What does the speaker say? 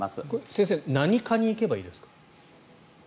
先生何科に行けばいいですか？